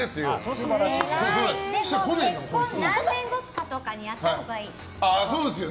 でも結婚何年後かとかにやったほうがいいよ。